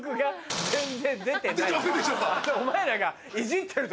お前らが。